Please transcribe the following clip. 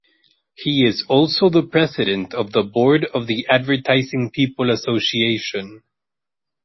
He is also the president of the board of the Advertising People Association.